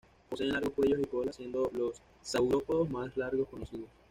Poseen largos cuellos y colas, siendo los saurópodos más largos conocidos.